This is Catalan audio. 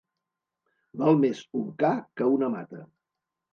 Val més un ca que una mata.